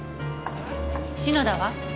篠田は？